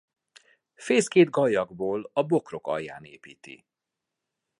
Fészkét gallyakból a bokrok alján építi.